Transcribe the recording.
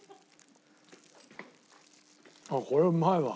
あっこれうまいわ。